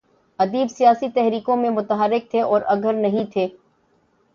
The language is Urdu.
ادیب سیاسی تحریکوں میں متحرک تھے اور اگر نہیں تھے۔